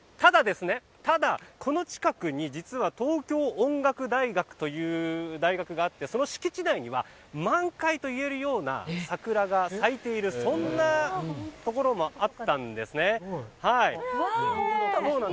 ただ、この近くに実は東京音楽大学という大学があってその敷地内には満開といえるような桜が咲いているそんなところもあったんですね。